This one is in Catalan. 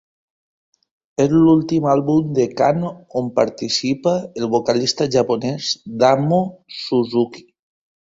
És l'últim àlbum de Can on participa el vocalista japonès Damo Suzuki.